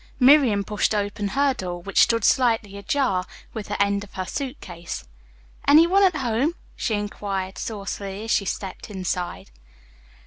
Miriam pushed open her door, which stood slightly ajar, with the end of her suit case. "Any one at home?" she inquired saucily as she stepped inside.